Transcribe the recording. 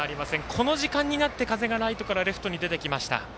この時間になって風がライトからレフトに出てきました。